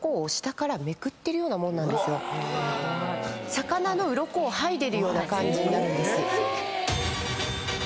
魚のうろこを剥いでるような感じになるんです。